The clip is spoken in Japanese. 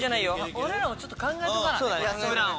俺らもちょっと考えとかなプランを。